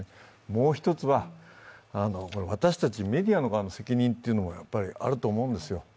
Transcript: もう１つは、私たちメディア側の責任もあると思うんですよ。